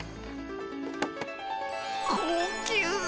高級。